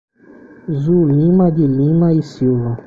Zulima de Lima E Silva